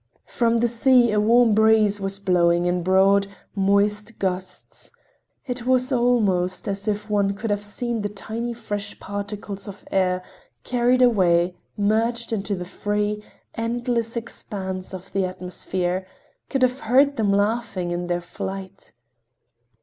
From the sea a warm breeze was blowing in broad, moist gusts. It was almost as if one could have seen the tiny fresh particles of air carried away, merged into the free, endless expanse of the atmosphere—could have heard them laughing in their flight.